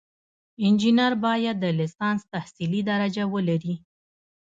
انجینر باید د لیسانس تحصیلي درجه ولري.